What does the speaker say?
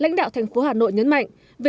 lãnh đạo thành phố hà nội nhấn mạnh